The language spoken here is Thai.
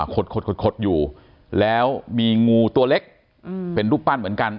ขดอยู่แล้วมีงูตัวเล็กเป็นรูปปั้นเหมือนกัน